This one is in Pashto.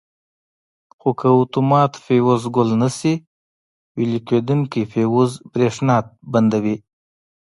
خو که اتومات فیوز ګل نه شي ویلې کېدونکي فیوز برېښنا بندوي.